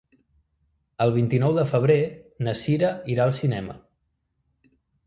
El vint-i-nou de febrer na Sira irà al cinema.